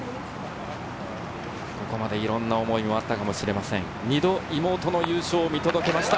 ここまでいろいろな思いがあったかもしれません、２度、妹の優勝を見届けました。